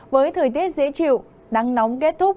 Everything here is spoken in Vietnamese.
với thời tiết dễ chịu nắng nóng kết thúc